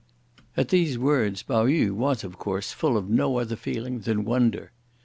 At these words Pao yü was, of course, full of no other feeling than wonder.